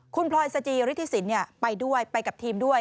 คุณพลอยสจิฤทธิสินไปด้วยไปกับทีมด้วย